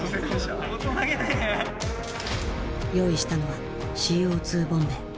用意したのはＣＯ２ボンベ。